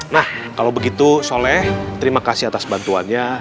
nah kalau begitu soleh terima kasih atas bantuannya